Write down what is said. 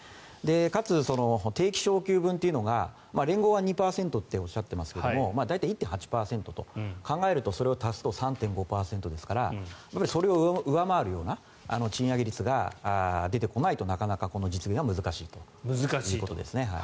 かつ、定期昇給分というのが連合は２％とおっしゃってますが大体１．８％と考えるとそれを足すと３．５％ですからそれを上回るような賃上げ率が出てこないとなかなかこの実現は難しいということですね。